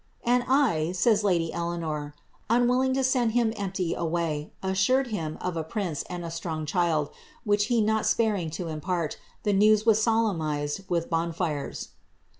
"And I," says ia.!y Eleanor, " unwilling to send him empty awny, assured him of a pnnce and a strong child, which he not sparing to impart, the news was <!emnized with bonfires."